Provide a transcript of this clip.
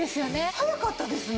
早かったですね。